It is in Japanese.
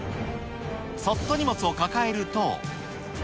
そっと荷物を抱えると。